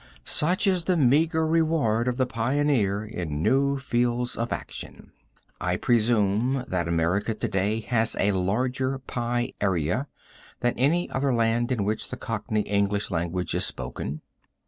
Such is the meagre reward of the pioneer in new fields of action. I presume that America to day has a larger pie area than any other land in which the Cockney English language is spoken.